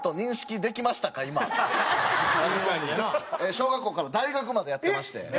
小学校から大学までやってまして。